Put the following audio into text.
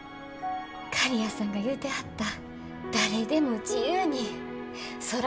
刈谷さんが言うてはった誰でも自由に空を行き来できる未来。